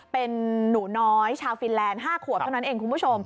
เป็นหนูน้อยชาวฟินแลนด์๕ขวบเท่านั้นเองคุณผู้ชม